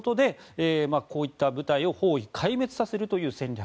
こういった部隊を包囲壊滅させるという戦略。